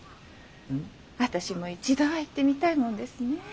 私も一度は行ってみたいもんですね。